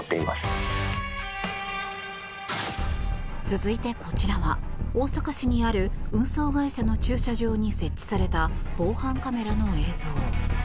続いて、こちらは大阪市にある運送会社の駐車場に設置された防犯カメラの映像。